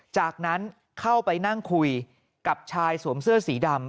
จากนั้นเข้าไปนั่งคุยกับชายสวมเสื้อสีดำ